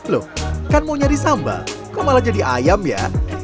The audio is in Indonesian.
loh kan mau nyari sambal kok malah jadi ayam ya